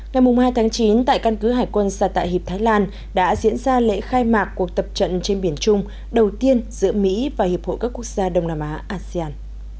ngày hai tháng chín tại căn cứ hải quân sa tạ hiệp thái lan đã diễn ra lễ khai mạc cuộc tập trận trên biển chung đầu tiên giữa mỹ và hiệp hội các quốc gia đông nam á asean